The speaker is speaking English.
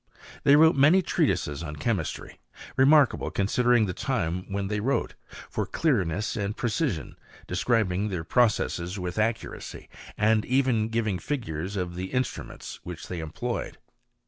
They wrote many treatises on che mistry, remarkable, considering the time when they wrote, for clearness and precision, describing their pro* cesses with accuracy, and even giving figures of the instruments which they employed.